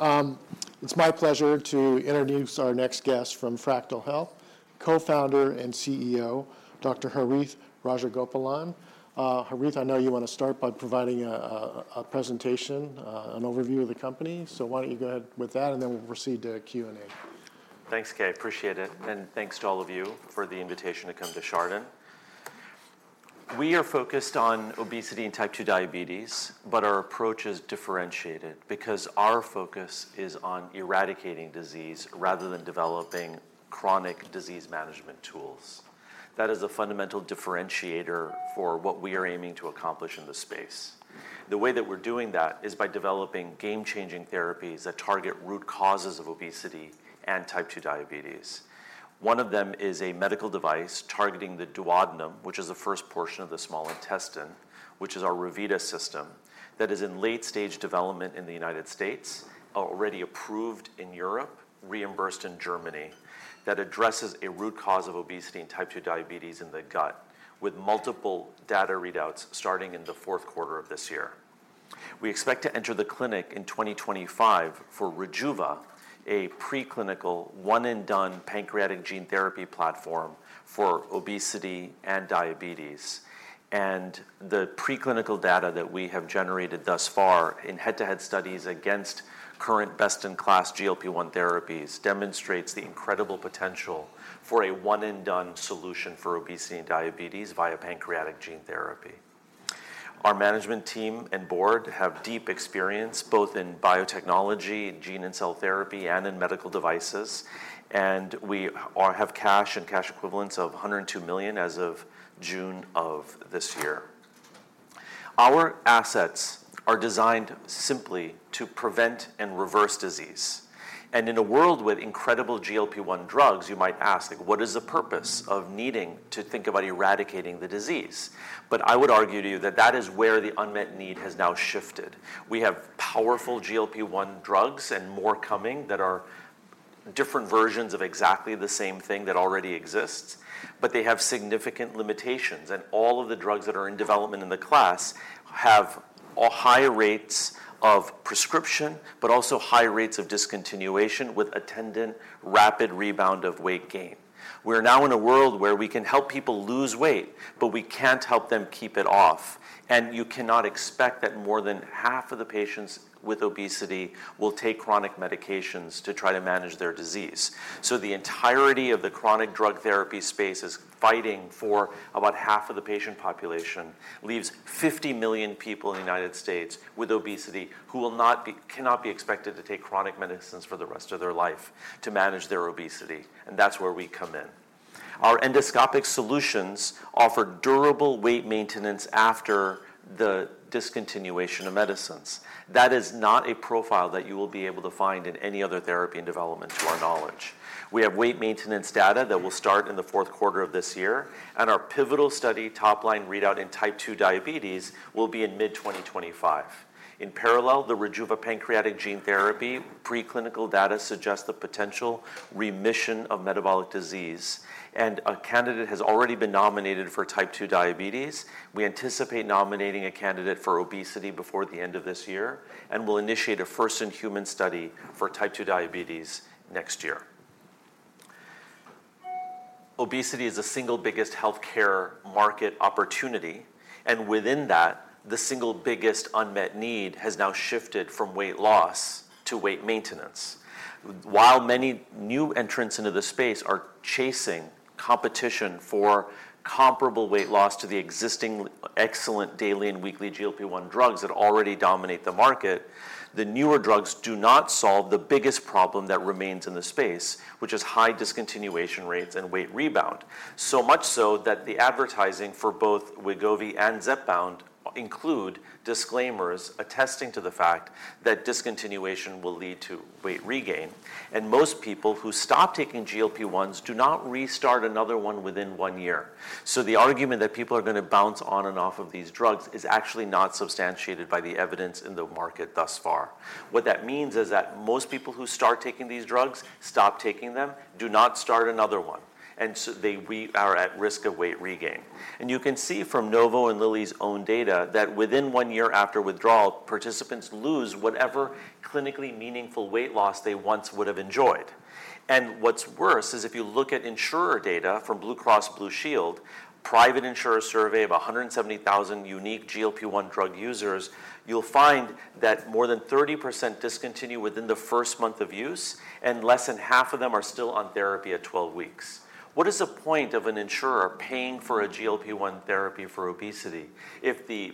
It's my pleasure to introduce our next guest from Fractyl Health, Co-founder and CEO, Dr. Harith Rajagopalan. Harith, I know you want to start by providing a presentation, an overview of the company. So why don't you go ahead with that, and then we'll proceed to Q&A. Thanks, Keay. Appreciate it. And thanks to all of you for the invitation to come to Chardan. We are focused on obesity and type 2 diabetes, but our approach is differentiated because our focus is on eradicating disease rather than developing chronic disease management tools. That is a fundamental differentiator for what we are aiming to accomplish in this space. The way that we're doing that is by developing game-changing therapies that target root causes of obesity and type 2 diabetes. One of them is a medical device targeting the duodenum, which is the first portion of the small intestine, which is our Revita system that is in late-stage development in the United States, already approved in Europe, reimbursed in Germany, that addresses a root cause of obesity and type 2 diabetes in the gut, with multiple data readouts starting in the fourth quarter of this year. We expect to enter the clinic in 2025 for Rejuva, a preclinical one-and-done pancreatic gene therapy platform for obesity and diabetes. And the preclinical data that we have generated thus far in head-to-head studies against current best-in-class GLP-1 therapies demonstrates the incredible potential for a one-and-done solution for obesity and diabetes via pancreatic gene therapy. Our management team and board have deep experience both in biotechnology, gene and cell therapy, and in medical devices. And we have cash and cash equivalents of $102 million as of June of this year. Our assets are designed simply to prevent and reverse disease. And in a world with incredible GLP-1 drugs, you might ask, what is the purpose of needing to think about eradicating the disease? But I would argue to you that that is where the unmet need has now shifted. We have powerful GLP-1 drugs and more coming that are different versions of exactly the same thing that already exists, but they have significant limitations. And all of the drugs that are in development in the class have high rates of prescription, but also high rates of discontinuation with attendant rapid rebound of weight gain. We're now in a world where we can help people lose weight, but we can't help them keep it off. And you cannot expect that more than half of the patients with obesity will take chronic medications to try to manage their disease. So the entirety of the chronic drug therapy space is fighting for about half of the patient population, leaves 50 million people in the United States with obesity who cannot be expected to take chronic medicines for the rest of their life to manage their obesity. And that's where we come in. Our endoscopic solutions offer durable weight maintenance after the discontinuation of medicines. That is not a profile that you will be able to find in any other therapy in development to our knowledge. We have weight maintenance data that will start in the fourth quarter of this year, and our pivotal study top-line readout in type 2 diabetes will be in mid-2025. In parallel, the Rejuva pancreatic gene therapy preclinical data suggests the potential remission of metabolic disease, and a candidate has already been nominated for type 2 diabetes. We anticipate nominating a candidate for obesity before the end of this year, and we'll initiate a first-in-human study for type 2 diabetes next year. Obesity is the single biggest healthcare market opportunity, and within that, the single biggest unmet need has now shifted from weight loss to weight maintenance. While many new entrants into the space are chasing competition for comparable weight loss to the existing excellent daily and weekly GLP-1 drugs that already dominate the market, the newer drugs do not solve the biggest problem that remains in the space, which is high discontinuation rates and weight rebound. So much so that the advertising for both Wegovy and Zepbound include disclaimers attesting to the fact that discontinuation will lead to weight regain, and most people who stop taking GLP-1s do not restart another one within one year, so the argument that people are going to bounce on and off of these drugs is actually not substantiated by the evidence in the market thus far. What that means is that most people who start taking these drugs stop taking them, do not start another one, and so they are at risk of weight regain. You can see from Novo and Lilly's own data that within one year after withdrawal, participants lose whatever clinically meaningful weight loss they once would have enjoyed. What's worse is if you look at insurer data from Blue Cross Blue Shield, private insurer survey of 170,000 unique GLP-1 drug users, you'll find that more than 30% discontinue within the first month of use, and less than half of them are still on therapy at 12 weeks. What is the point of an insurer paying for a GLP-1 therapy for obesity if the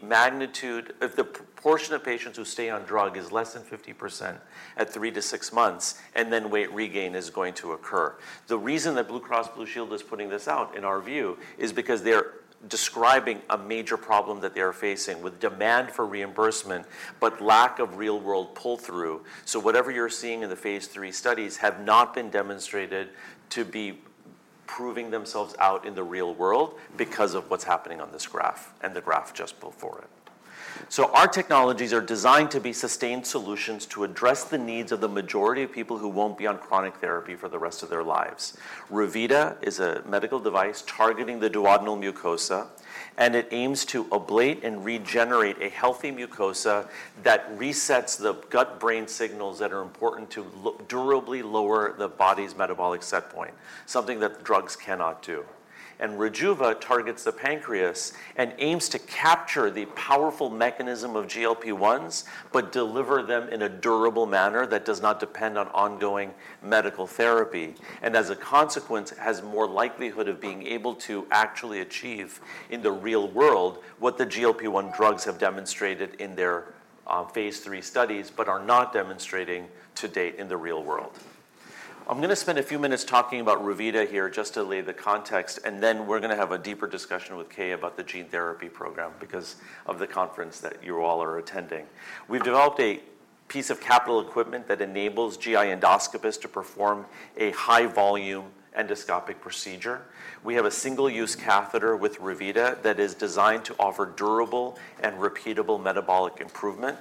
portion of patients who stay on drug is less than 50% at three-to-six months, and then weight regain is going to occur? The reason that Blue Cross Blue Shield is putting this out, in our view, is because they're describing a major problem that they are facing with demand for reimbursement, but lack of real-world pull-through. So whatever you're seeing in the phase three studies have not been demonstrated to be proving themselves out in the real world because of what's happening on this graph and the graph just before it. So our technologies are designed to be sustained solutions to address the needs of the majority of people who won't be on chronic therapy for the rest of their lives. Revita is a medical device targeting the duodenal mucosa, and it aims to ablate and regenerate a healthy mucosa that resets the gut-brain signals that are important to durably lower the body's metabolic setpoint, something that drugs cannot do. And Rejuva targets the pancreas and aims to capture the powerful mechanism of GLP-1s, but deliver them in a durable manner that does not depend on ongoing medical therapy. And as a consequence, has more likelihood of being able to actually achieve in the real world what the GLP-1 drugs have demonstrated in their phase three studies, but are not demonstrating to date in the real world. I'm going to spend a few minutes talking about Revita here just to lay the context, and then we're going to have a deeper discussion with Keay about the gene therapy program because of the conference that you all are attending. We've developed a piece of capital equipment that enables GI endoscopists to perform a high-volume endoscopic procedure. We have a single-use catheter with Revita that is designed to offer durable and repeatable metabolic improvement.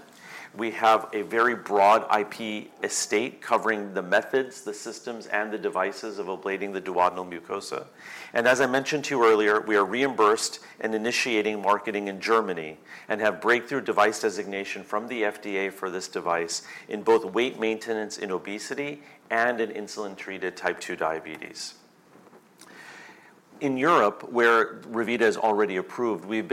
We have a very broad IP estate covering the methods, the systems, and the devices of ablating the duodenal mucosa. And as I mentioned to you earlier, we are reimbursed and initiating marketing in Germany and have Breakthrough Device Designation from the FDA for this device in both weight maintenance in obesity and in insulin-treated type 2 diabetes. In Europe, where Revita is already approved, we've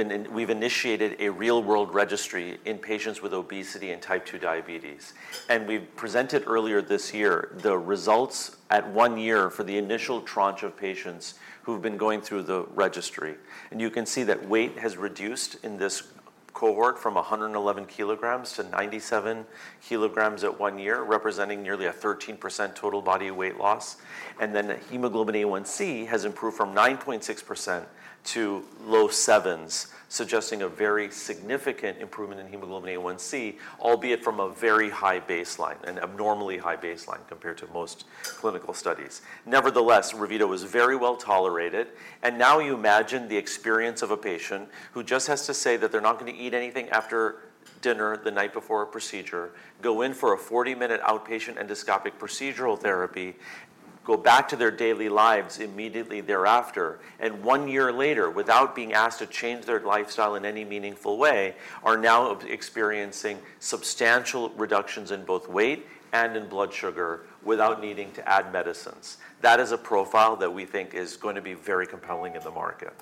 initiated a real-world registry in patients with obesity and type 2 diabetes. And we presented earlier this year the results at one year for the initial tranche of patients who've been going through the registry. And you can see that weight has reduced in this cohort from 111 kg to 97 kg at one year, representing nearly a 13% total body weight loss. Then hemoglobin A1c has improved from 9.6% to low 7s, suggesting a very significant improvement in hemoglobin A1c, albeit from a very high baseline, an abnormally high baseline compared to most clinical studies. Nevertheless, Revita was very well tolerated. Now you imagine the experience of a patient who just has to say that they're not going to eat anything after dinner the night before a procedure, go in for a 40-minute outpatient endoscopic procedural therapy, go back to their daily lives immediately thereafter, and one year later, without being asked to change their lifestyle in any meaningful way, are now experiencing substantial reductions in both weight and in blood sugar without needing to add medicines. That is a profile that we think is going to be very compelling in the market.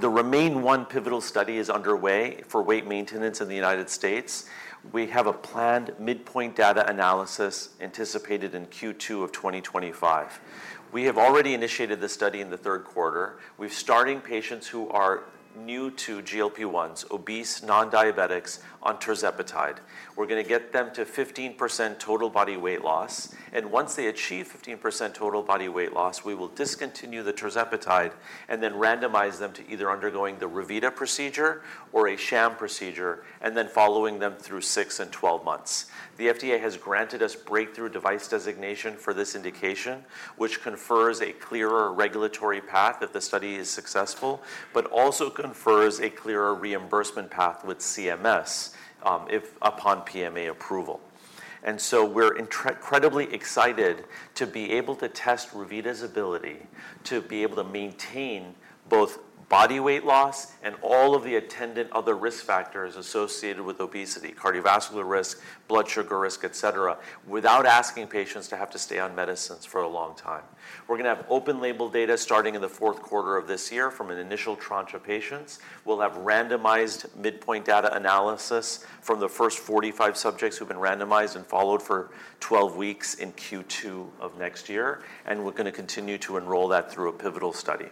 The Remain-1 pivotal study is underway for weight maintenance in the United States. We have a planned midpoint data analysis anticipated in Q2 of 2025. We have already initiated this study in the third quarter. We're starting patients who are new to GLP-1s, obese non-diabetics, on tirzepatide. We're going to get them to 15% total body weight loss, and once they achieve 15% total body weight loss, we will discontinue the tirzepatide and then randomize them to either undergoing the Revita procedure or a sham procedure, and then following them through 6 and 12 months. The FDA has granted us Breakthrough Device Designation for this indication, which confers a clearer regulatory path if the study is successful, but also confers a clearer reimbursement path with CMS upon PMA approval. We're incredibly excited to be able to test Revita's ability to be able to maintain both body weight loss and all of the attendant other risk factors associated with obesity, cardiovascular risk, blood sugar risk, etc., without asking patients to have to stay on medicines for a long time. We're going to have open label data starting in the fourth quarter of this year from an initial tranche of patients. We'll have randomized midpoint data analysis from the first 45 subjects who've been randomized and followed for 12 weeks in Q2 of next year. We're going to continue to enroll that through a pivotal study.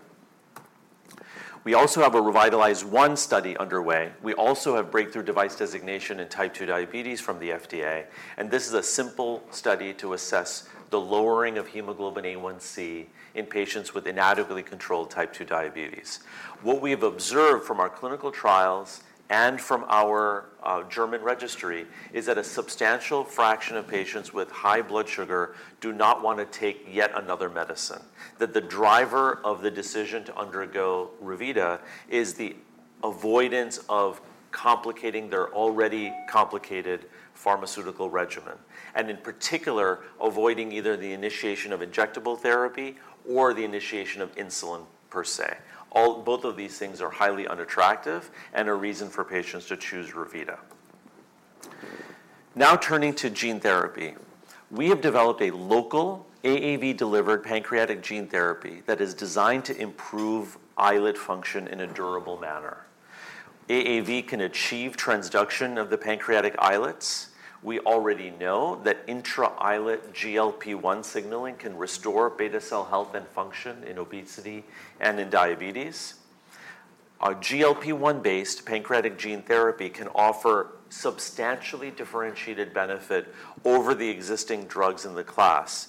We also have a Revitalize-1 study underway. We also have Breakthrough Device Designation in type 2 diabetes from the FDA. This is a simple study to assess the lowering of hemoglobin A1c in patients with inadequately controlled type 2 diabetes. What we have observed from our clinical trials and from our German registry is that a substantial fraction of patients with high blood sugar do not want to take yet another medicine. That the driver of the decision to undergo Revita is the avoidance of complicating their already complicated pharmaceutical regimen. In particular, avoiding either the initiation of injectable therapy or the initiation of insulin per se. Both of these things are highly unattractive and a reason for patients to choose Revita. Now turning to gene therapy. We have developed a local AAV-delivered pancreatic gene therapy that is designed to improve islet function in a durable manner. AAV can achieve transduction of the pancreatic islets. We already know that intra-islet GLP-1 signaling can restore beta cell health and function in obesity and in diabetes. GLP-1-based pancreatic gene therapy can offer substantially differentiated benefit over the existing drugs in the class,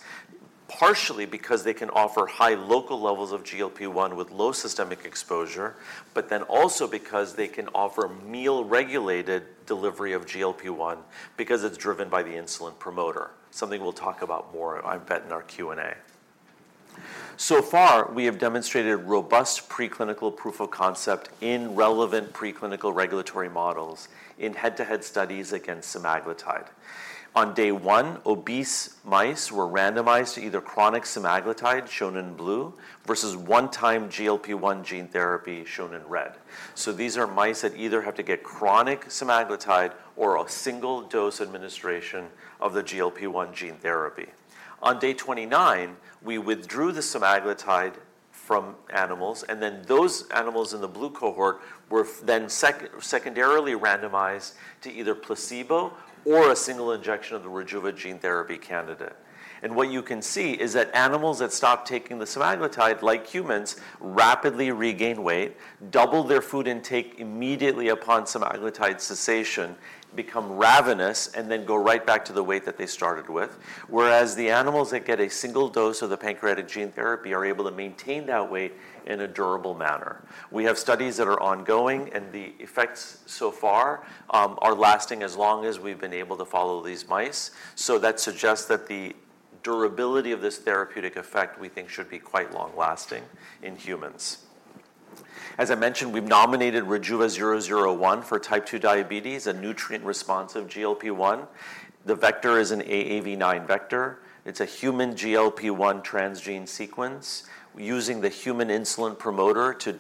partially because they can offer high local levels of GLP-1 with low systemic exposure, but then also because they can offer meal-regulated delivery of GLP-1 because it's driven by the insulin promoter, something we'll talk about more, I bet, in our Q&A. So far, we have demonstrated robust preclinical proof of concept in relevant preclinical regulatory models in head-to-head studies against semaglutide. On day one, obese mice were randomized to either chronic semaglutide, shown in blue, versus one-time GLP-1 gene therapy, shown in red. So these are mice that either have to get chronic semaglutide or a single dose administration of the GLP-1 gene therapy. On day 29, we withdrew the semaglutide from animals. Then those animals in the blue cohort were then secondarily randomized to either placebo or a single injection of the Rejuva gene therapy candidate. What you can see is that animals that stopped taking the semaglutide, like humans, rapidly regain weight, double their food intake immediately upon semaglutide cessation, become ravenous, and then go right back to the weight that they started with, whereas the animals that get a single dose of the pancreatic gene therapy are able to maintain that weight in a durable manner. We have studies that are ongoing, and the effects so far are lasting as long as we've been able to follow these mice. That suggests that the durability of this therapeutic effect, we think, should be quite long-lasting in humans. As I mentioned, we've nominated Rejuva 001 for type 2 diabetes, a nutrient-responsive GLP-1. The vector is an AAV9 vector. It's a human GLP-1 transgene sequence using the human insulin promoter to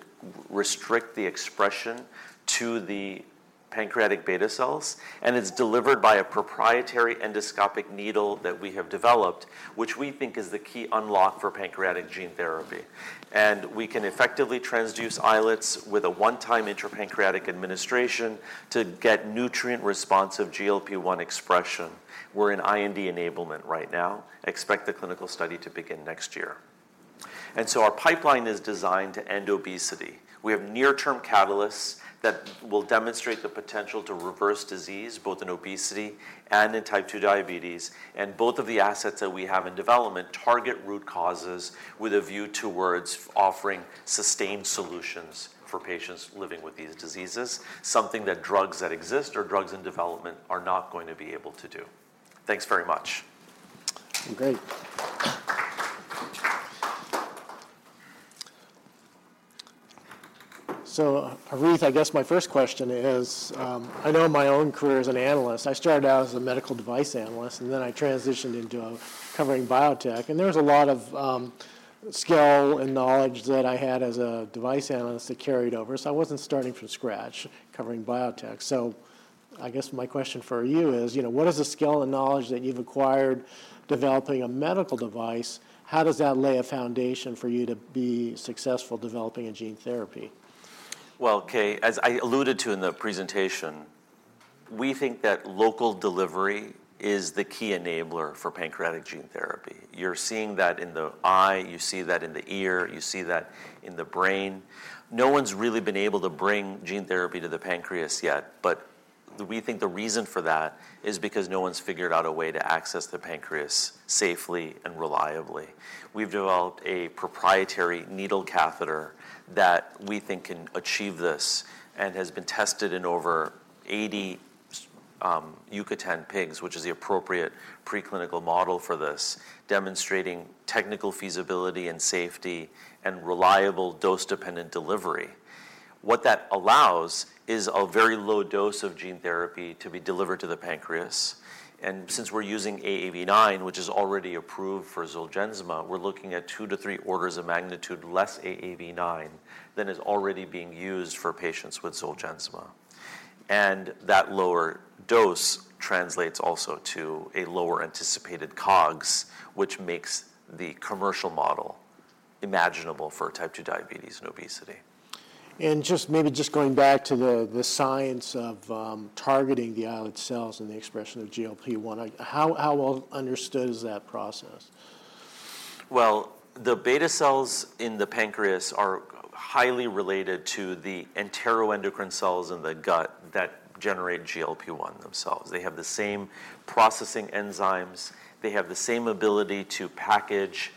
restrict the expression to the pancreatic beta cells, and it's delivered by a proprietary endoscopic needle that we have developed, which we think is the key unlock for pancreatic gene therapy, and we can effectively transduce islets with a one-time intrapancreatic administration to get nutrient-responsive GLP-1 expression. We're in IND enablement right now. Expect the clinical study to begin next year, and so our pipeline is designed to end obesity. We have near-term catalysts that will demonstrate the potential to reverse disease, both in obesity and in type 2 diabetes, and both of the assets that we have in development target root causes with a view towards offering sustained solutions for patients living with these diseases, something that drugs that exist or drugs in development are not going to be able to do. Thanks very much. Great. So Harith, I guess my first question is, I know my own career as an analyst. I started out as a medical device analyst, and then I transitioned into covering biotech. And there was a lot of skill and knowledge that I had as a device analyst that carried over. So I wasn't starting from scratch covering biotech. So I guess my question for you is, what is the skill and knowledge that you've acquired developing a medical device? How does that lay a foundation for you to be successful developing a gene therapy? Keay, as I alluded to in the presentation, we think that local delivery is the key enabler for pancreatic gene therapy. You're seeing that in the eye. You see that in the ear. You see that in the brain. No one's really been able to bring gene therapy to the pancreas yet. But we think the reason for that is because no one's figured out a way to access the pancreas safely and reliably. We've developed a proprietary needle catheter that we think can achieve this and has been tested in over 80 Yucatan pigs, which is the appropriate preclinical model for this, demonstrating technical feasibility and safety and reliable dose-dependent delivery. What that allows is a very low dose of gene therapy to be delivered to the pancreas. Since we're using AAV9, which is already approved for Zolgensma, we're looking at two to three orders of magnitude less AAV9 than is already being used for patients with Zolgensma. That lower dose translates also to a lower anticipated COGS, which makes the commercial model imaginable for type 2 diabetes and obesity. Just maybe going back to the science of targeting the islet cells and the expression of GLP-1, how well understood is that process? The beta cells in the pancreas are highly related to the enteroendocrine cells in the gut that generate GLP-1 themselves. They have the same processing enzymes. They have the same ability to package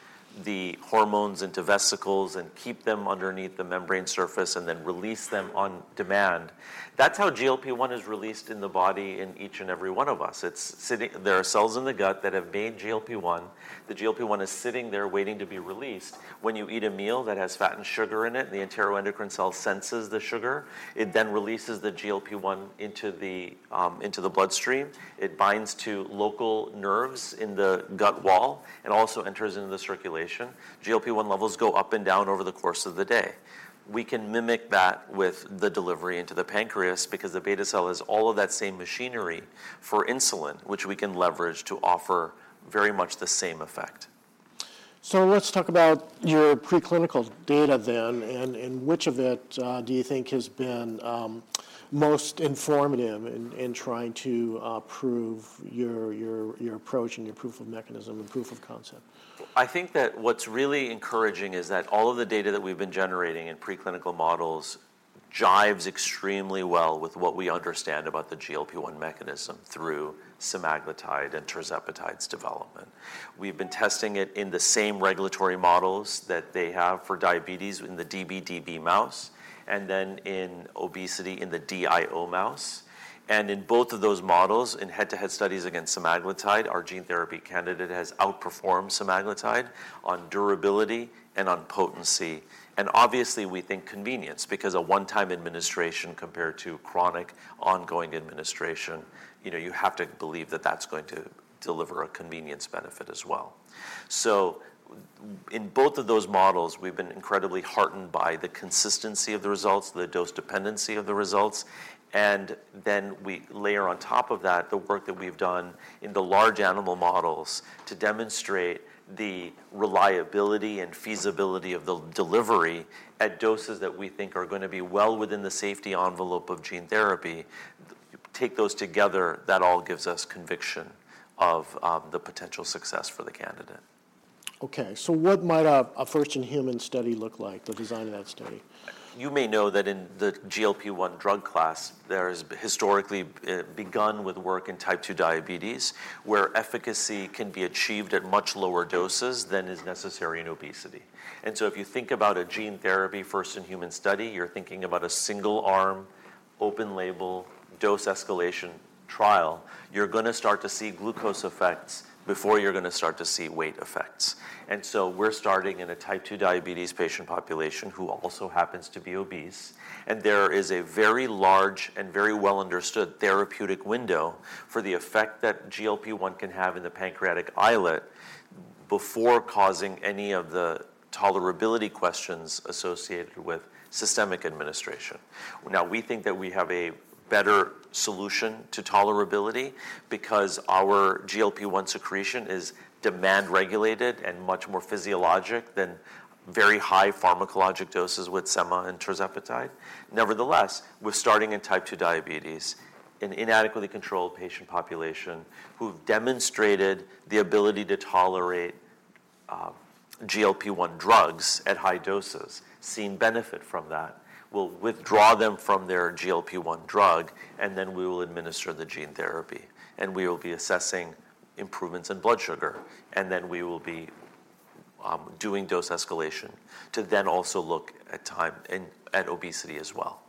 the hormones into vesicles and keep them underneath the membrane surface and then release them on demand. That's how GLP-1 is released in the body in each and every one of us. There are cells in the gut that have made GLP-1. The GLP-1 is sitting there waiting to be released. When you eat a meal that has fat and sugar in it, the enteroendocrine cell senses the sugar. It then releases the GLP-1 into the bloodstream. It binds to local nerves in the gut wall and also enters into the circulation. GLP-1 levels go up and down over the course of the day. We can mimic that with the delivery into the pancreas because the beta cell is all of that same machinery for insulin, which we can leverage to offer very much the same effect. So let's talk about your preclinical data then. And which of it do you think has been most informative in trying to prove your approach and your proof of mechanism and proof of concept? I think that what's really encouraging is that all of the data that we've been generating in preclinical models jives extremely well with what we understand about the GLP-1 mechanism through semaglutide and tirzepatide's development. We've been testing it in the same regulatory models that they have for diabetes in the db/db mouse and then in obesity in the DIO mouse. And in both of those models and head-to-head studies against semaglutide, our gene therapy candidate has outperformed semaglutide on durability and on potency. And obviously, we think convenience because a one-time administration compared to chronic ongoing administration, you have to believe that that's going to deliver a convenience benefit as well. So in both of those models, we've been incredibly heartened by the consistency of the results, the dose dependency of the results. And then we layer on top of that the work that we've done in the large animal models to demonstrate the reliability and feasibility of the delivery at doses that we think are going to be well within the safety envelope of gene therapy. Take those together, that all gives us conviction of the potential success for the candidate. OK. So what might a first-in-human study look like, the design of that study? You may know that in the GLP-1 drug class, there has historically begun with work in type 2 diabetes where efficacy can be achieved at much lower doses than is necessary in obesity. And so if you think about a gene therapy first-in-human study, you're thinking about a single-arm, open-label, dose-escalation trial. You're going to start to see glucose effects before you're going to start to see weight effects. And so we're starting in a type 2 diabetes patient population who also happens to be obese. And there is a very large and very well-understood therapeutic window for the effect that GLP-1 can have in the pancreatic islet before causing any of the tolerability questions associated with systemic administration. Now, we think that we have a better solution to tolerability because our GLP-1 secretion is demand-regulated and much more physiologic than very high pharmacologic doses with sema and tirzepatide. Nevertheless, we're starting in type 2 diabetes, an inadequately controlled patient population who've demonstrated the ability to tolerate GLP-1 drugs at high doses, seen benefit from that. We'll withdraw them from their GLP-1 drug, and then we will administer the gene therapy, and we will be assessing improvements in blood sugar, and then we will be doing dose escalation to then also look at A1c and obesity as well.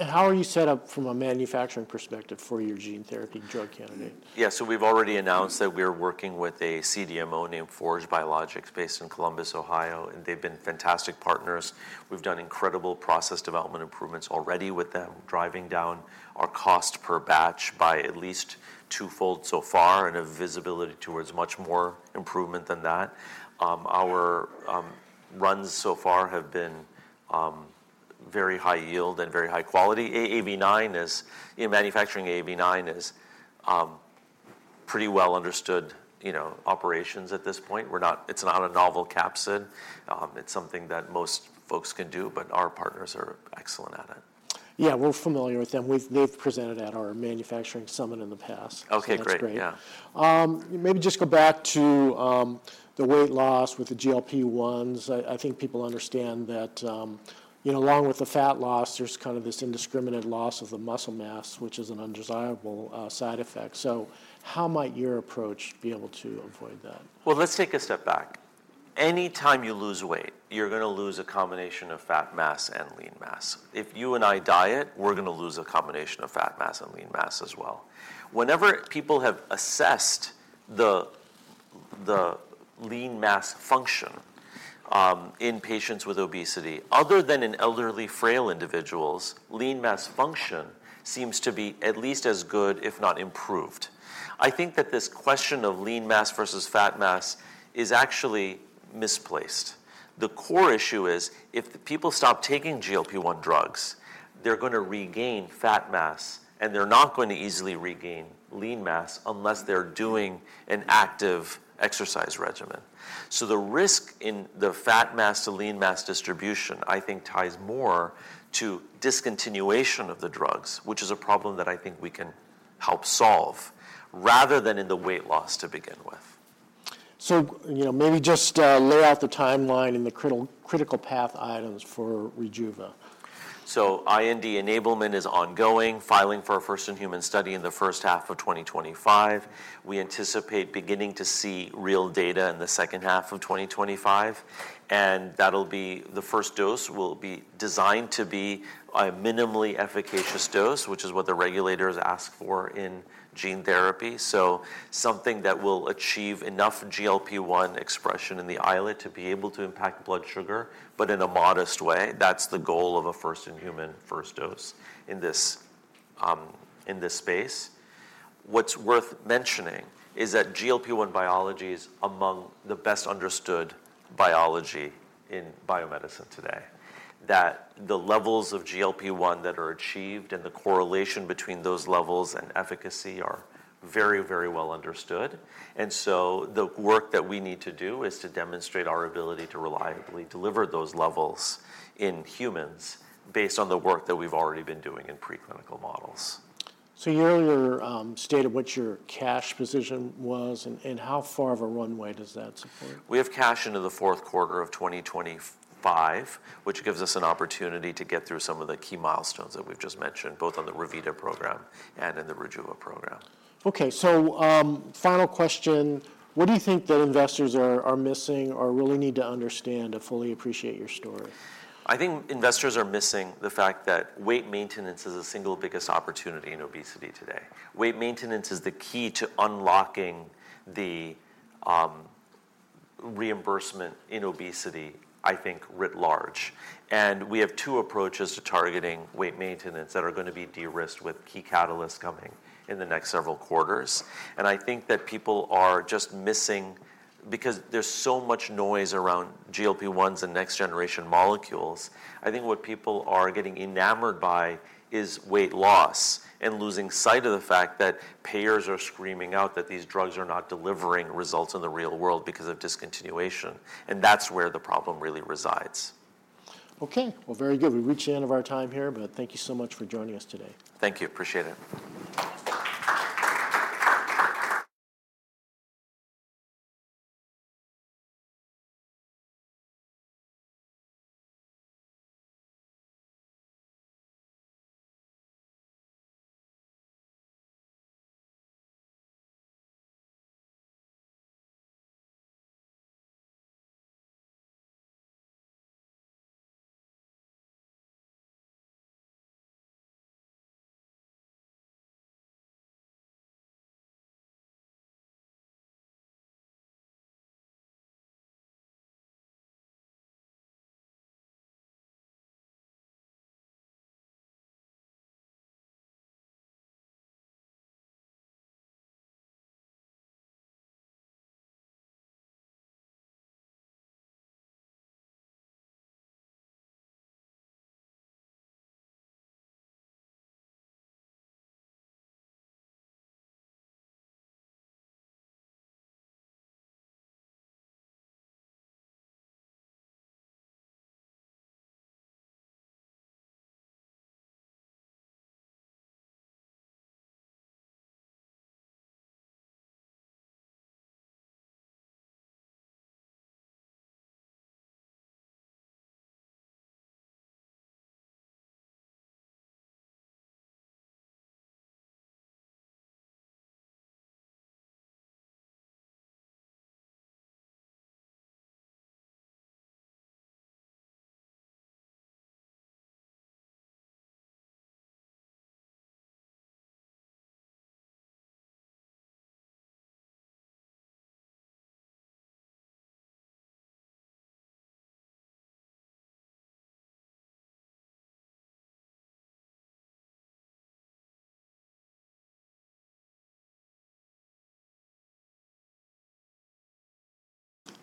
How are you set up from a manufacturing perspective for your gene therapy drug candidate? Yeah. So we've already announced that we are working with a CDMO named Forge Biologics based in Columbus, Ohio. And they've been fantastic partners. We've done incredible process development improvements already with them, driving down our cost per batch by at least twofold so far and a visibility towards much more improvement than that. Our runs so far have been very high yield and very high quality. AAV9 is in manufacturing. AAV9 is pretty well-understood operations at this point. It's not a novel capsid. It's something that most folks can do, but our partners are excellent at it. Yeah. We're familiar with them. They've presented at our manufacturing summit in the past. OK. Great. That's great. Maybe just go back to the weight loss with the GLP-1s. I think people understand that along with the fat loss, there's kind of this indiscriminate loss of the muscle mass, which is an undesirable side effect. So how might your approach be able to avoid that? Let's take a step back. Any time you lose weight, you're going to lose a combination of fat mass and lean mass. If you and I diet, we're going to lose a combination of fat mass and lean mass as well. Whenever people have assessed the lean mass function in patients with obesity, other than in elderly frail individuals, lean mass function seems to be at least as good, if not improved. I think that this question of lean mass versus fat mass is actually misplaced. The core issue is if people stop taking GLP-1 drugs, they're going to regain fat mass, and they're not going to easily regain lean mass unless they're doing an active exercise regimen. So the risk in the fat mass to lean mass distribution, I think, ties more to discontinuation of the drugs, which is a problem that I think we can help solve rather than in the weight loss to begin with. So maybe just lay out the timeline and the critical path items for Rejuva. So IND enablement is ongoing, filing for a first-in-human study in the first half of 2025. We anticipate beginning to see real data in the second half of 2025. And that'll be the first dose will be designed to be a minimally efficacious dose, which is what the regulators ask for in gene therapy. So something that will achieve enough GLP-1 expression in the islet to be able to impact blood sugar, but in a modest way. That's the goal of a first-in-human first dose in this space. What's worth mentioning is that GLP-1 biology is among the best understood biology in biomedicine today, that the levels of GLP-1 that are achieved and the correlation between those levels and efficacy are very, very well understood. The work that we need to do is to demonstrate our ability to reliably deliver those levels in humans based on the work that we've already been doing in preclinical models. So, you know, your state of what your cash position was, and how far of a runway does that support? We have cash into the fourth quarter of 2025, which gives us an opportunity to get through some of the key milestones that we've just mentioned, both on the Revita program and in the Rejuva program. OK. So, final question. What do you think that investors are missing or really need to understand to fully appreciate your story? I think investors are missing the fact that weight maintenance is the single biggest opportunity in obesity today. Weight maintenance is the key to unlocking the reimbursement in obesity, I think, writ large. And we have two approaches to targeting weight maintenance that are going to be de-risked with key catalysts coming in the next several quarters. And I think that people are just missing because there's so much noise around GLP-1s and next-generation molecules. I think what people are getting enamored by is weight loss and losing sight of the fact that payers are screaming out that these drugs are not delivering results in the real world because of discontinuation. And that's where the problem really resides. OK. Well, very good. We reached the end of our time here, but thank you so much for joining us today. Thank you. Appreciate it.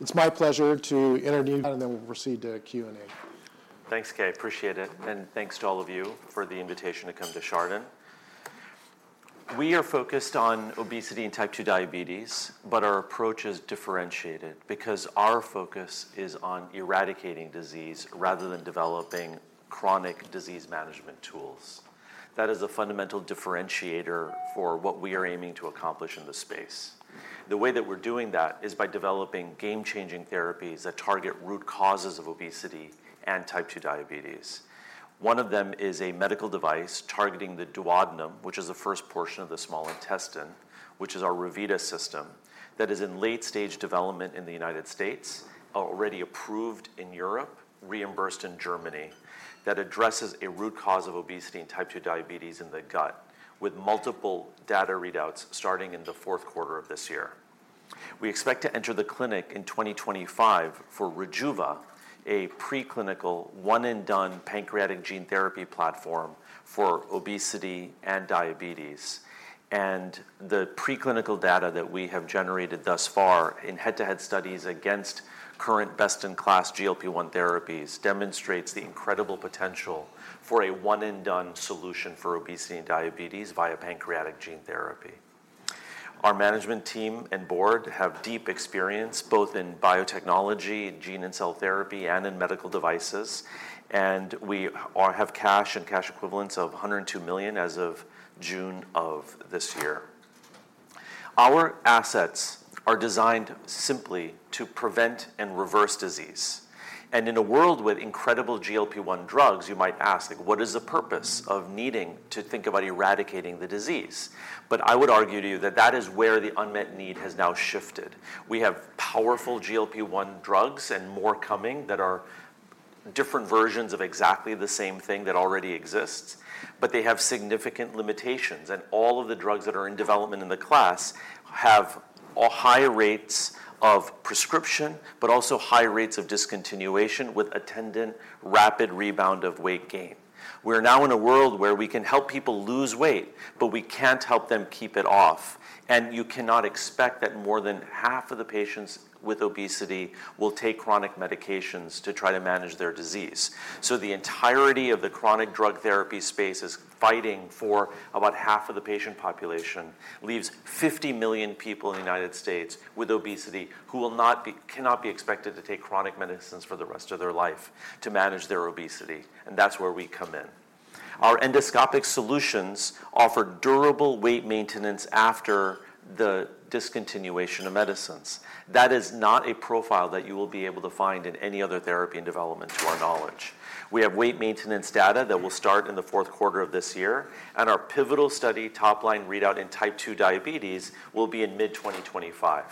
It's my pleasure to. And then we'll proceed to Q&A. Thanks, Keay. Appreciate it. And thanks to all of you for the invitation to come to Chardan. We are focused on obesity and type 2 diabetes, but our approach is differentiated because our focus is on eradicating disease rather than developing chronic disease management tools. That is a fundamental differentiator for what we are aiming to accomplish in this space. The way that we're doing that is by developing game-changing therapies that target root causes of obesity and type 2 diabetes. One of them is a medical device targeting the duodenum, which is the first portion of the small intestine, which is our Revita system that is in late-stage development in the United States, already approved in Europe, reimbursed in Germany, that addresses a root cause of obesity and type 2 diabetes in the gut with multiple data readouts starting in the fourth quarter of this year. We expect to enter the clinic in 2025 for Rejuva, a preclinical one-and-done pancreatic gene therapy platform for obesity and diabetes. And the preclinical data that we have generated thus far in head-to-head studies against current best-in-class GLP-1 therapies demonstrates the incredible potential for a one-and-done solution for obesity and diabetes via pancreatic gene therapy. Our management team and board have deep experience both in biotechnology, gene and cell therapy, and in medical devices. And we have cash and cash equivalents of $102 million as of June of this year. Our assets are designed simply to prevent and reverse disease. And in a world with incredible GLP-1 drugs, you might ask, what is the purpose of needing to think about eradicating the disease? But I would argue to you that that is where the unmet need has now shifted. We have powerful GLP-1 drugs and more coming that are different versions of exactly the same thing that already exists, but they have significant limitations. And all of the drugs that are in development in the class have high rates of prescription, but also high rates of discontinuation with attendant rapid rebound of weight gain. We're now in a world where we can help people lose weight, but we can't help them keep it off. And you cannot expect that more than half of the patients with obesity will take chronic medications to try to manage their disease. So the entirety of the chronic drug therapy space is fighting for about half of the patient population, leaves 50 million people in the United States with obesity who cannot be expected to take chronic medicines for the rest of their life to manage their obesity. And that's where we come in. Our endoscopic solutions offer durable weight maintenance after the discontinuation of medicines. That is not a profile that you will be able to find in any other therapy in development to our knowledge. We have weight maintenance data that will start in the fourth quarter of this year, and our pivotal study top-line readout in type 2 diabetes will be in mid-2025.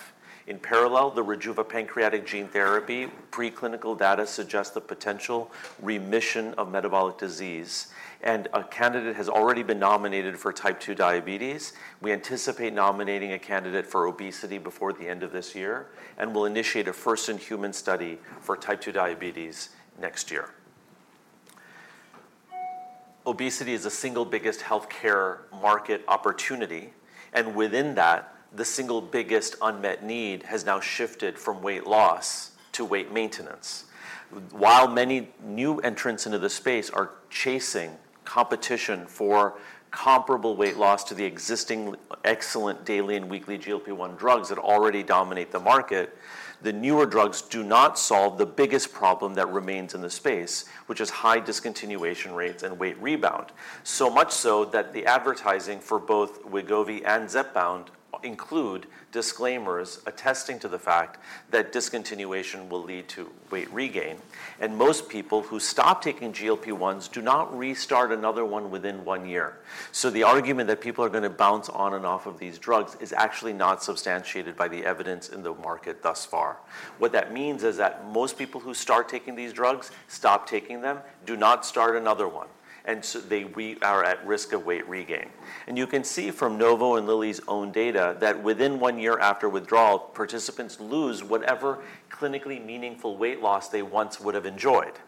In parallel, the Rejuva pancreatic gene therapy preclinical data suggests the potential remission of metabolic disease, and a candidate has already been nominated for type 2 diabetes. We anticipate nominating a candidate for obesity before the end of this year, and we'll initiate a first-in-human study for type 2 diabetes next year. Obesity is the single biggest health care market opportunity, and within that, the single biggest unmet need has now shifted from weight loss to weight maintenance. While many new entrants into the space are chasing competition for comparable weight loss to the existing excellent daily and weekly GLP-1 drugs that already dominate the market, the newer drugs do not solve the biggest problem that remains in the space, which is high discontinuation rates and weight rebound, so much so that the advertising for both Wegovy and Zepbound include disclaimers attesting to the fact that discontinuation will lead to weight regain. And most people who stop taking GLP-1s do not restart another one within one year. So the argument that people are going to bounce on and off of these drugs is actually not substantiated by the evidence in the market thus far. What that means is that most people who start taking these drugs stop taking them, do not start another one. And so they are at risk of weight regain. You can see from Novo and Lilly's own data that within one year after withdrawal, participants lose whatever clinically meaningful weight loss they once would have enjoyed.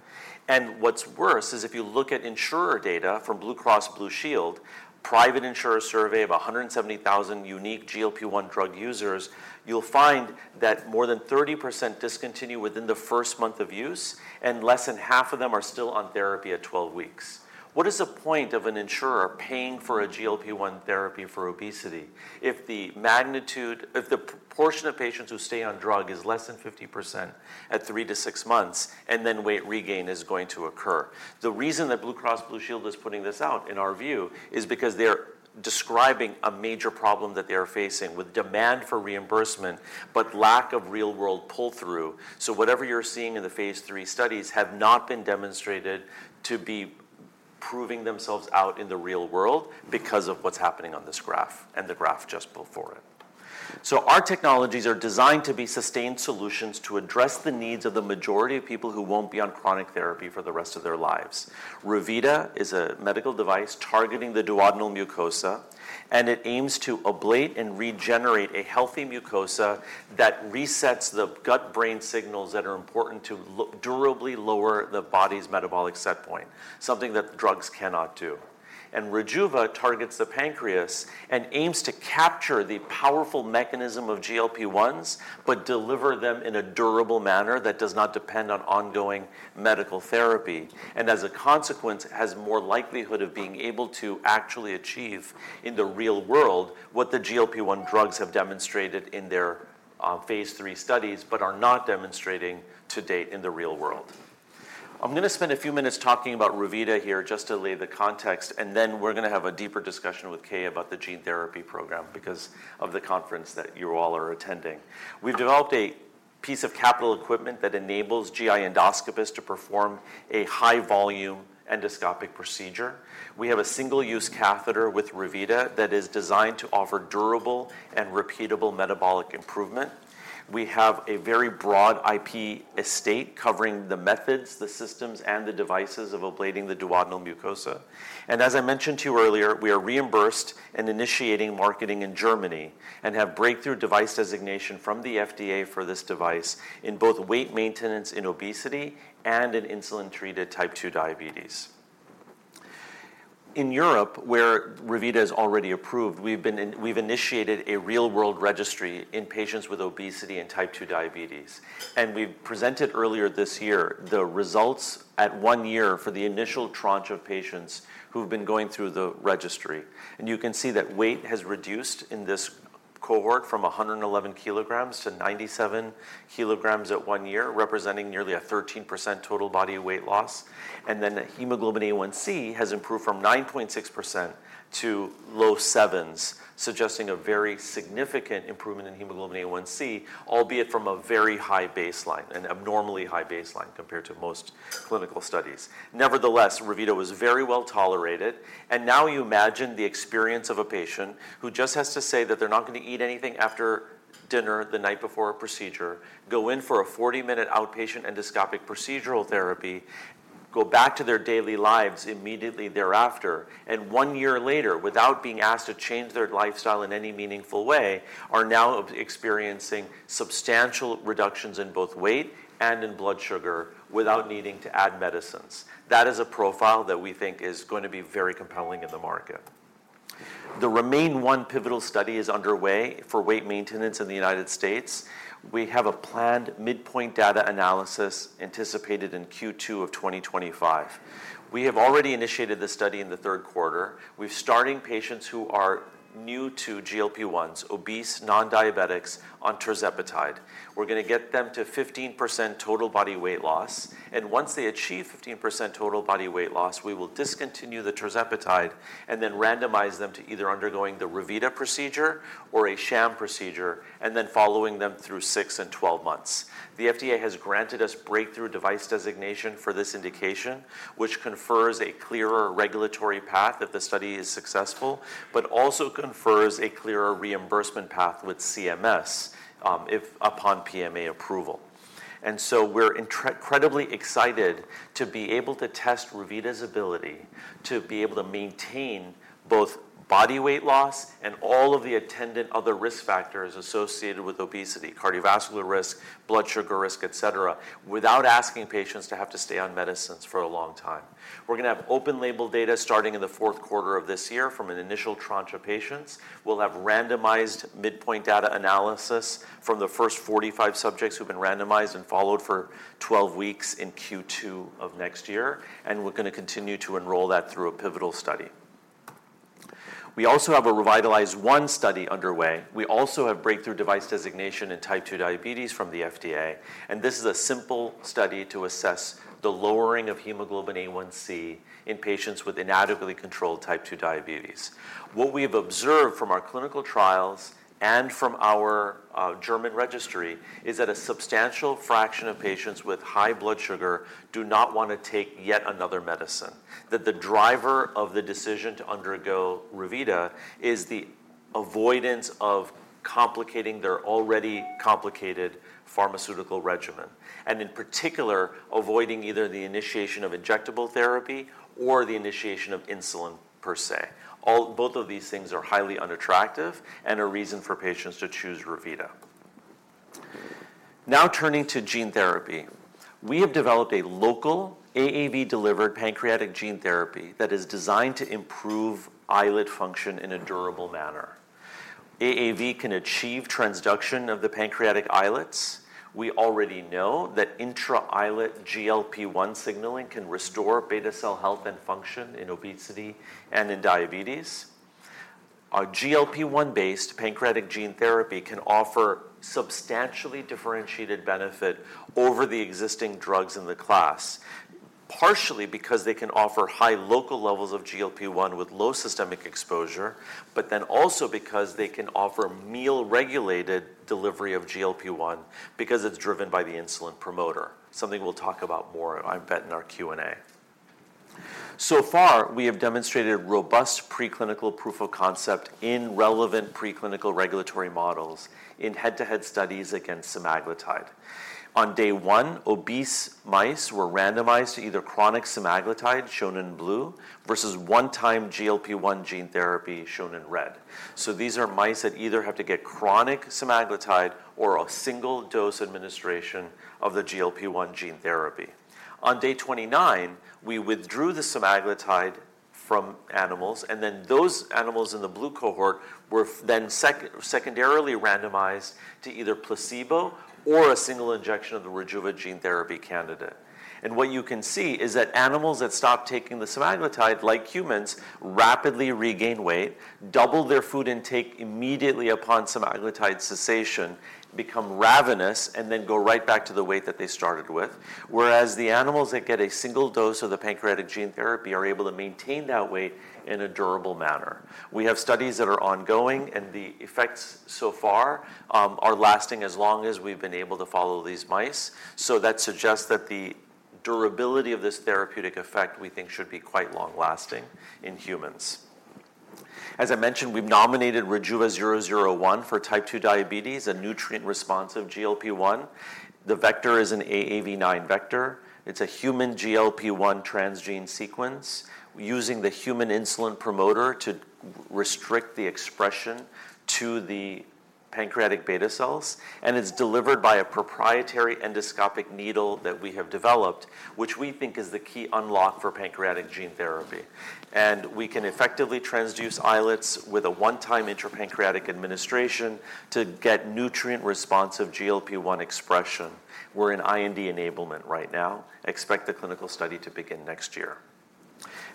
What's worse is if you look at insurer data from Blue Cross Blue Shield, private insurer survey of 170,000 unique GLP-1 drug users, you'll find that more than 30% discontinue within the first month of use, and less than half of them are still on therapy at 12 weeks. What is the point of an insurer paying for a GLP-1 therapy for obesity if the portion of patients who stay on drug is less than 50% at three-to-six months, and then weight regain is going to occur? The reason that Blue Cross Blue Shield is putting this out, in our view, is because they're describing a major problem that they are facing with demand for reimbursement but lack of real-world pull-through. So whatever you're seeing in the phase three studies have not been demonstrated to be proving themselves out in the real world because of what's happening on this graph and the graph just before it. So our technologies are designed to be sustained solutions to address the needs of the majority of people who won't be on chronic therapy for the rest of their lives. Revita is a medical device targeting the duodenal mucosa, and it aims to ablate and regenerate a healthy mucosa that resets the gut-brain signals that are important to durably lower the body's metabolic set point, something that drugs cannot do. Rejuva targets the pancreas and aims to capture the powerful mechanism of GLP-1s but deliver them in a durable manner that does not depend on ongoing medical therapy. As a consequence, has more likelihood of being able to actually achieve in the real world what the GLP-1 drugs have demonstrated in their phase three studies but are not demonstrating to date in the real world. I'm going to spend a few minutes talking about Revita here just to lay the context, and then we're going to have a deeper discussion with Keay about the gene therapy program because of the conference that you all are attending. We've developed a piece of capital equipment that enables GI endoscopists to perform a high-volume endoscopic procedure. We have a single-use catheter with Revita that is designed to offer durable and repeatable metabolic improvement. We have a very broad IP estate covering the methods, the systems, and the devices of ablating the duodenal mucosa, and as I mentioned to you earlier, we are reimbursed and initiating marketing in Germany and have Breakthrough Device Designation from the FDA for this device in both weight maintenance in obesity and in insulin-treated type 2 diabetes. In Europe, where Revita is already approved, we've initiated a real-world registry in patients with obesity and type 2 diabetes, and we presented earlier this year the results at one year for the initial tranche of patients who've been going through the registry, and you can see that weight has reduced in this cohort from 111 kg to 97 kg at one year, representing nearly a 13% total body weight loss. Then hemoglobin A1c has improved from 9.6% to low 7s, suggesting a very significant improvement in hemoglobin A1c, albeit from a very high baseline, an abnormally high baseline compared to most clinical studies. Nevertheless, Revita was very well tolerated. Now you imagine the experience of a patient who just has to say that they're not going to eat anything after dinner the night before a procedure, go in for a 40-minute outpatient endoscopic procedural therapy, go back to their daily lives immediately thereafter, and one year later, without being asked to change their lifestyle in any meaningful way, are now experiencing substantial reductions in both weight and in blood sugar without needing to add medicines. That is a profile that we think is going to be very compelling in the market. The Remain-1 pivotal study is underway for weight maintenance in the United States. We have a planned midpoint data analysis anticipated in Q2 of 2025. We have already initiated this study in the third quarter. We're starting patients who are new to GLP-1s, obese non-diabetics, on tirzepatide. We're going to get them to 15% total body weight loss, and once they achieve 15% total body weight loss, we will discontinue the tirzepatide and then randomize them to either undergoing the Revita procedure or a sham procedure and then following them through 6 and 12 months. The FDA has granted us Breakthrough Device Designation for this indication, which confers a clearer regulatory path if the study is successful, but also confers a clearer reimbursement path with CMS upon PMA approval. And so we're incredibly excited to be able to test Revita's ability to be able to maintain both body weight loss and all of the attendant other risk factors associated with obesity, cardiovascular risk, blood sugar risk, et cetera, without asking patients to have to stay on medicines for a long time. We're going to have open-label data starting in the fourth quarter of this year from an initial tranche of patients. We'll have randomized midpoint data analysis from the first 45 subjects who've been randomized and followed for 12 weeks in Q2 of next year. And we're going to continue to enroll that through a pivotal study. We also have a Revitalize-1 study underway. We also have Breakthrough Device Designation in type 2 diabetes from the FDA. And this is a simple study to assess the lowering of hemoglobin A1c in patients with inadequately controlled type 2 diabetes. What we have observed from our clinical trials and from our German registry is that a substantial fraction of patients with high blood sugar do not want to take yet another medicine. That the driver of the decision to undergo Revita is the avoidance of complicating their already complicated pharmaceutical regimen, and in particular, avoiding either the initiation of injectable therapy or the initiation of insulin per se. Both of these things are highly unattractive and a reason for patients to choose Revita. Now turning to gene therapy, we have developed a local AAV-delivered pancreatic gene therapy that is designed to improve islet function in a durable manner. AAV can achieve transduction of the pancreatic islets. We already know that intra-islet GLP-1 signaling can restore beta cell health and function in obesity and in diabetes. GLP-1-based pancreatic gene therapy can offer substantially differentiated benefit over the existing drugs in the class, partially because they can offer high local levels of GLP-1 with low systemic exposure, but then also because they can offer meal-regulated delivery of GLP-1 because it's driven by the insulin promoter, something we'll talk about more, I bet, in our Q&A. So far, we have demonstrated robust preclinical proof of concept in relevant preclinical regulatory models in head-to-head studies against semaglutide. On day 1, obese mice were randomized to either chronic semaglutide, shown in blue, versus one-time GLP-1 gene therapy, shown in red. So these are mice that either have to get chronic semaglutide or a single dose administration of the GLP-1 gene therapy. On day 29, we withdrew the semaglutide from animals. And then those animals in the blue cohort were then secondarily randomized to either placebo or a single injection of the Rejuva gene therapy candidate. And what you can see is that animals that stop taking the semaglutide, like humans, rapidly regain weight, double their food intake immediately upon semaglutide cessation, become ravenous, and then go right back to the weight that they started with, whereas the animals that get a single dose of the pancreatic gene therapy are able to maintain that weight in a durable manner. We have studies that are ongoing, and the effects so far are lasting as long as we've been able to follow these mice. So that suggests that the durability of this therapeutic effect, we think, should be quite long-lasting in humans. As I mentioned, we've nominated Rejuva 001 for type 2 diabetes, a nutrient-responsive GLP-1. The vector is an AAV9 vector. It's a human GLP-1 transgene sequence using the human insulin promoter to restrict the expression to the pancreatic beta cells. And it's delivered by a proprietary endoscopic needle that we have developed, which we think is the key unlock for pancreatic gene therapy. And we can effectively transduce islets with a one-time intrapancreatic administration to get nutrient-responsive GLP-1 expression. We're in IND enablement right now. Expect the clinical study to begin next year.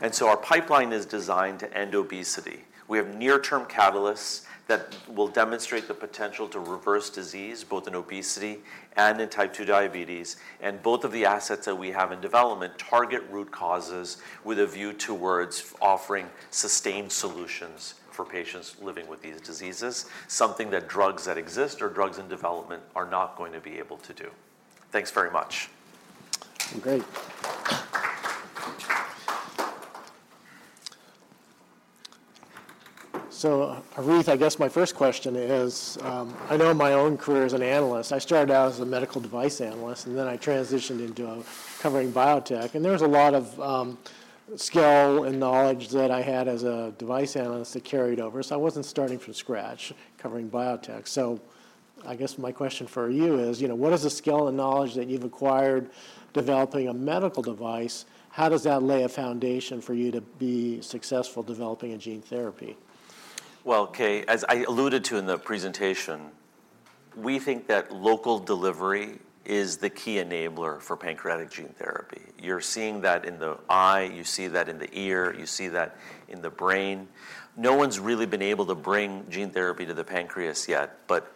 And so our pipeline is designed to end obesity. We have near-term catalysts that will demonstrate the potential to reverse disease both in obesity and in type 2 diabetes. And both of the assets that we have in development target root causes with a view towards offering sustained solutions for patients living with these diseases, something that drugs that exist or drugs in development are not going to be able to do. Thanks very much. Great. So Harith, I guess my first question is, I know my own career as an analyst. I started out as a medical device analyst, and then I transitioned into covering biotech. And there was a lot of skill and knowledge that I had as a device analyst that carried over. So I wasn't starting from scratch covering biotech. So I guess my question for you is, what is the skill and knowledge that you've acquired developing a medical device? How does that lay a foundation for you to be successful developing a gene therapy? Keay, as I alluded to in the presentation, we think that local delivery is the key enabler for pancreatic gene therapy. You're seeing that in the eye. You see that in the ear. You see that in the brain. No one's really been able to bring gene therapy to the pancreas yet. But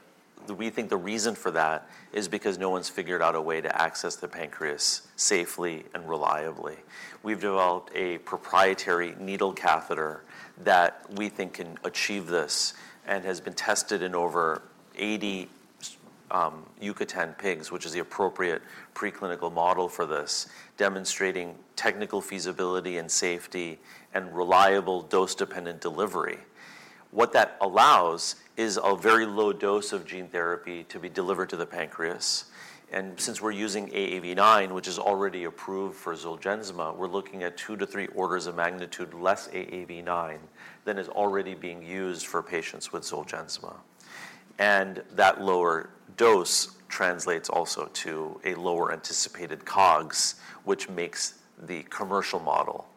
we think the reason for that is because no one's figured out a way to access the pancreas safely and reliably. We've developed a proprietary needle catheter that we think can achieve this and has been tested in over 80 Yucatan pigs, which is the appropriate preclinical model for this, demonstrating technical feasibility and safety and reliable dose-dependent delivery. What that allows is a very low dose of gene therapy to be delivered to the pancreas. And since we're using AAV9, which is already approved for Zolgensma, we're looking at two to three orders of magnitude less AAV9 than is already being used for patients with Zolgensma. And that lower dose translates also to a lower anticipated COGS, which makes the commercial model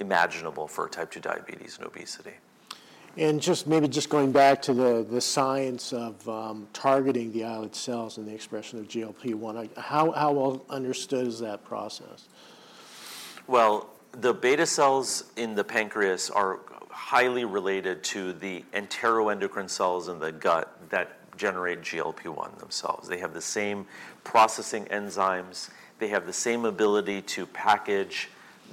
imaginable for type 2 diabetes and obesity. Just maybe going back to the science of targeting the islet cells and the expression of GLP-1, how well understood is that process? The beta cells in the pancreas are highly related to the enteroendocrine cells in the gut that generate GLP-1 themselves. They have the same processing enzymes. They have the same ability to package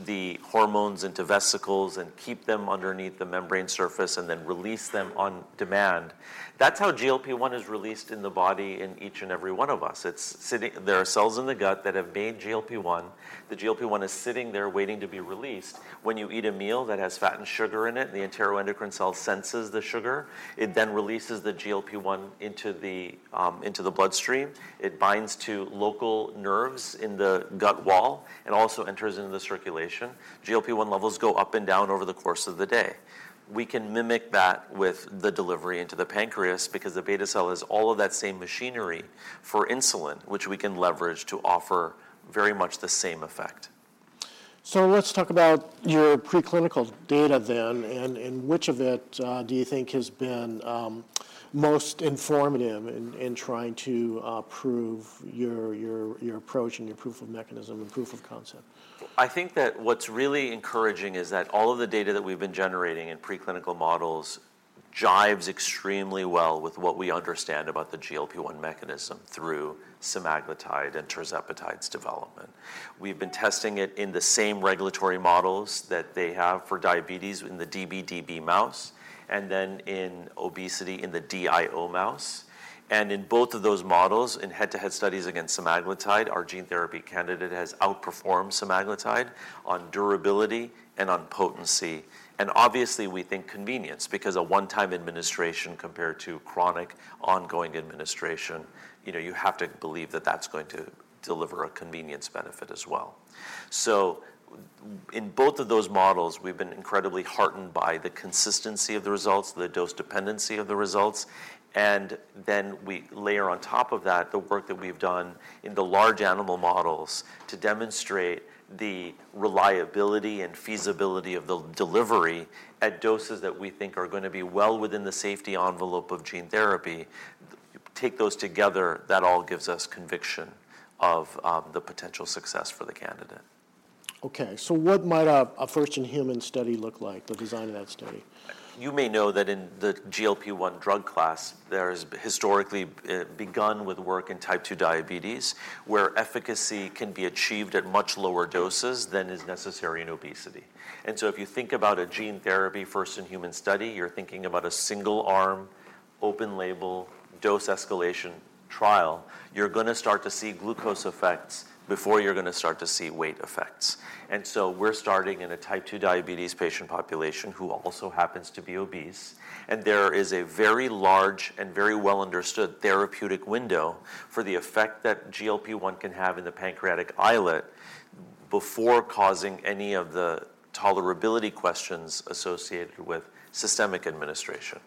the hormones into vesicles and keep them underneath the membrane surface and then release them on demand. That's how GLP-1 is released in the body in each and every one of us. There are cells in the gut that have made GLP-1. The GLP-1 is sitting there waiting to be released. When you eat a meal that has fat and sugar in it, the enteroendocrine cell senses the sugar. It then releases the GLP-1 into the bloodstream. It binds to local nerves in the gut wall and also enters into the circulation. GLP-1 levels go up and down over the course of the day. We can mimic that with the delivery into the pancreas because the beta cell is all of that same machinery for insulin, which we can leverage to offer very much the same effect. So let's talk about your preclinical data then. And which of it do you think has been most informative in trying to prove your approach and your proof of mechanism and proof of concept? I think that what's really encouraging is that all of the data that we've been generating in preclinical models jives extremely well with what we understand about the GLP-1 mechanism through semaglutide and tirzepatide's development. We've been testing it in the same regulatory models that they have for diabetes in the db/db mouse and then in obesity in the DIO mouse. And in both of those models and head-to-head studies against semaglutide, our gene therapy candidate has outperformed semaglutide on durability and on potency. And obviously, we think convenience because a one-time administration compared to chronic ongoing administration, you have to believe that that's going to deliver a convenience benefit as well. So in both of those models, we've been incredibly heartened by the consistency of the results, the dose dependency of the results. And then we layer on top of that the work that we've done in the large animal models to demonstrate the reliability and feasibility of the delivery at doses that we think are going to be well within the safety envelope of gene therapy. Take those together, that all gives us conviction of the potential success for the candidate. OK. So what might a first-in-human study look like, the design of that study? You may know that in the GLP-1 drug class, there has historically begun with work in type 2 diabetes where efficacy can be achieved at much lower doses than is necessary in obesity, and so if you think about a gene therapy first-in-human study, you're thinking about a single-arm, open-label, dose-escalation trial. You're going to start to see glucose effects before you're going to start to see weight effects, and so we're starting in a type 2 diabetes patient population who also happens to be obese, and there is a very large and very well-understood therapeutic window for the effect that GLP-1 can have in the pancreatic islet before causing any of the tolerability questions associated with systemic administration.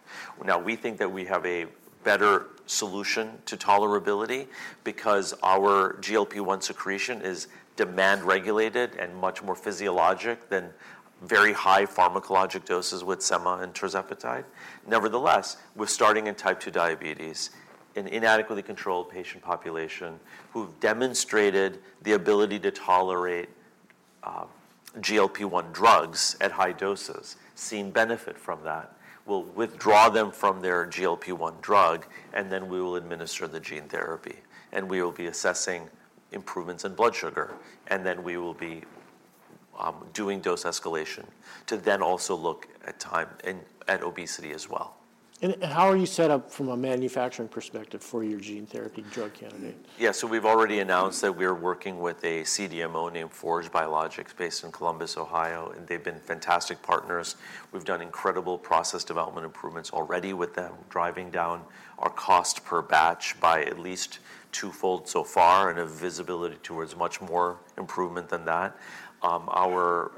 Now, we think that we have a better solution to tolerability because our GLP-1 secretion is demand-regulated and much more physiologic than very high pharmacologic doses with semaglutide and tirzepatide. Nevertheless, we're starting in type 2 diabetes in inadequately controlled patient population who've demonstrated the ability to tolerate GLP-1 drugs at high doses, seen benefit from that. We'll withdraw them from their GLP-1 drug, and then we will administer the gene therapy. We will be assessing improvements in blood sugar. We will be doing dose escalation to then also look at A1c and at obesity as well. How are you set up from a manufacturing perspective for your gene therapy drug candidate? Yeah. So we've already announced that we are working with a CDMO named Forge Biologics based in Columbus, Ohio. And they've been fantastic partners. We've done incredible process development improvements already with them, driving down our cost per batch by at least twofold so far and a visibility towards much more improvement than that. Our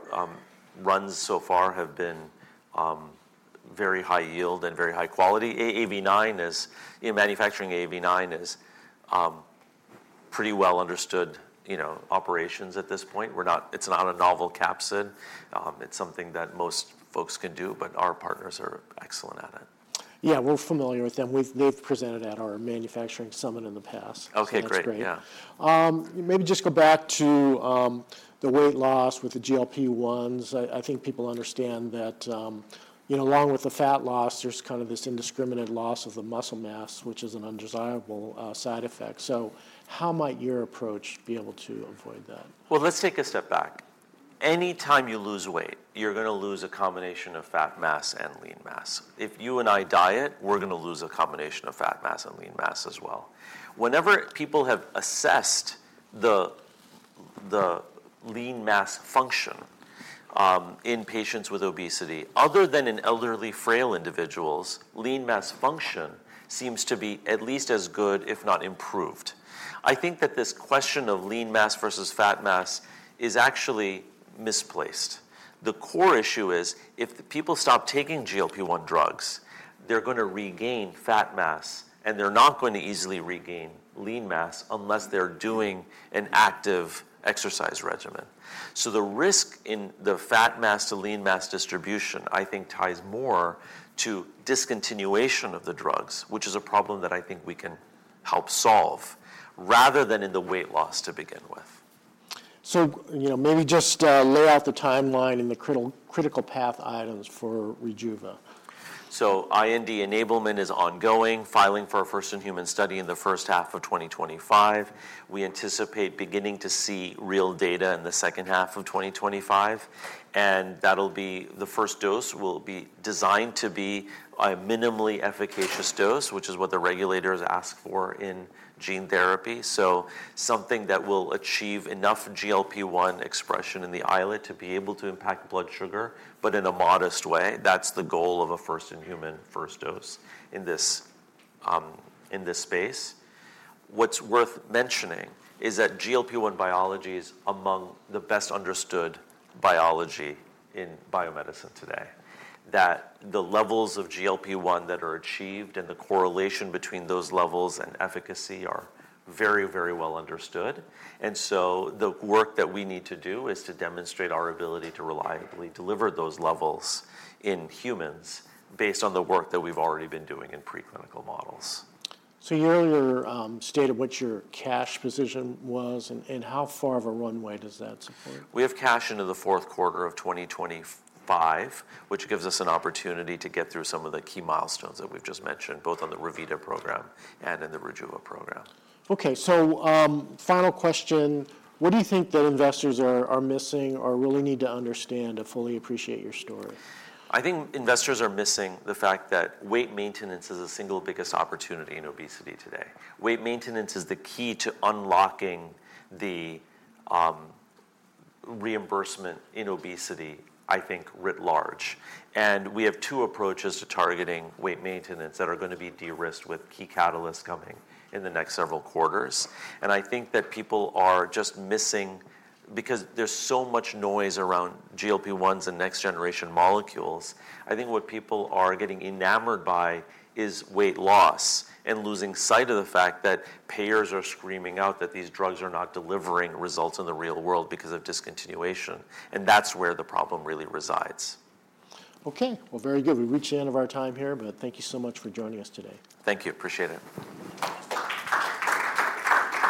runs so far have been very high yield and very high quality. AAV9 is in manufacturing. AAV9 is pretty well-understood operations at this point. It's not a novel capsid. It's something that most folks can do, but our partners are excellent at it. Yeah. We're familiar with them. They've presented at our manufacturing summit in the past. OK. Great. That's great. Maybe just go back to the weight loss with the GLP-1s. I think people understand that along with the fat loss, there's kind of this indiscriminate loss of the muscle mass, which is an undesirable side effect. So how might your approach be able to avoid that? Let's take a step back. Any time you lose weight, you're going to lose a combination of fat mass and lean mass. If you and I diet, we're going to lose a combination of fat mass and lean mass as well. Whenever people have assessed the lean mass function in patients with obesity, other than in elderly frail individuals, lean mass function seems to be at least as good, if not improved. I think that this question of lean mass versus fat mass is actually misplaced. The core issue is if people stop taking GLP-1 drugs, they're going to regain fat mass, and they're not going to easily regain lean mass unless they're doing an active exercise regimen. So the risk in the fat mass to lean mass distribution, I think, ties more to discontinuation of the drugs, which is a problem that I think we can help solve rather than in the weight loss to begin with. So maybe just lay out the timeline and the critical path items for Rejuva. IND enablement is ongoing. Filing for a first-in-human study in the first half of 2025. We anticipate beginning to see real data in the second half of 2025. And that'll be the first dose will be designed to be a minimally efficacious dose, which is what the regulators ask for in gene therapy. So something that will achieve enough GLP-1 expression in the islet to be able to impact blood sugar, but in a modest way. That's the goal of a first-in-human first dose in this space. What's worth mentioning is that GLP-1 biology is among the best understood biology in biomedicine today, that the levels of GLP-1 that are achieved and the correlation between those levels and efficacy are very, very well understood. The work that we need to do is to demonstrate our ability to reliably deliver those levels in humans based on the work that we've already been doing in preclinical models. So, you know, your state of what your cash position was, and how far of a runway does that support? We have cash into the fourth quarter of 2025, which gives us an opportunity to get through some of the key milestones that we've just mentioned, both on the Revita program and in the Rejuva program. OK. So, final question. What do you think that investors are missing or really need to understand to fully appreciate your story? I think investors are missing the fact that weight maintenance is the single biggest opportunity in obesity today. Weight maintenance is the key to unlocking the reimbursement in obesity, I think, writ large, and we have two approaches to targeting weight maintenance that are going to be de-risked with key catalysts coming in the next several quarters, and I think that people are just missing because there's so much noise around GLP-1s and next-generation molecules. I think what people are getting enamored by is weight loss and losing sight of the fact that payers are screaming out that these drugs are not delivering results in the real world because of discontinuation, and that's where the problem really resides. OK. Very good. We've reached the end of our time here, but thank you so much for joining us today. Thank you. Appreciate it.